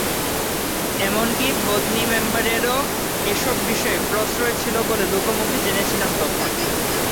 এমনকি বদনী মেম্বারেরও এসব বিষয়ে প্রশ্রয় ছিল বলে লোকমুখে জেনেছিলাম তখন।